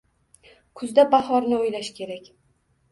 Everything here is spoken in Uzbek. Kuzda bahorni oʻylash kerak.